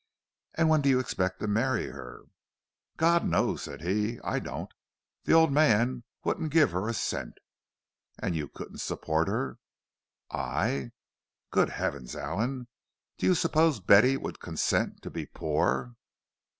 "And when do you expect to marry her?" "God knows," said he, "I don't. The old man wouldn't give her a cent." "And you couldn't support her?" "I? Good heavens, Allan—do you suppose Betty would consent to be poor?"